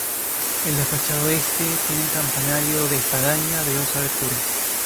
En la fachada oeste tiene el campanario de espadaña de dos aberturas.